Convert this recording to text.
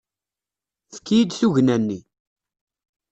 Efk-iyi-d tugna-nni.